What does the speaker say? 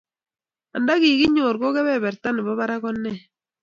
Anda kikinyor ko kebeberta nebo barak kone?